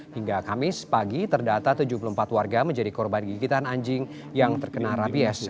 hingga kamis pagi terdata tujuh puluh empat warga menjadi korban gigitan anjing yang terkena rabies